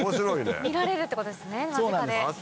見られるってことですね間近で。